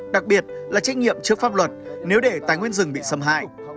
đặc biệt là trách nhiệm trước pháp luật nếu để tài nguyên rừng bị xâm hại